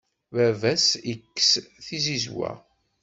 Baba-s ikess tizizwa.